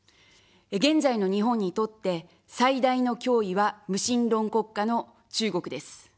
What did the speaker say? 現在の日本にとって最大の脅威は、無神論国家の中国です。